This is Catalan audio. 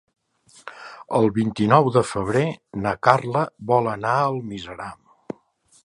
El vint-i-nou de febrer na Carla vol anar a Almiserà.